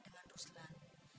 beda dengan ruslan